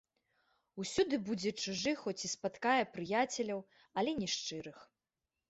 Усюды будзе чужы, хоць і спаткае прыяцеляў, але не шчырых.